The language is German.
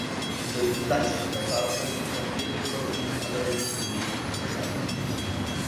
Diese Fleischfresser können etablierte Kolonien allerdings nicht gefährden.